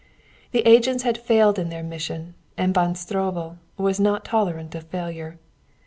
The agents had failed in their mission, and Von Stroebel was not tolerant of failure.